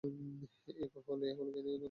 এইকো, এই হলো গেনিয়া, নতুন এসেছে।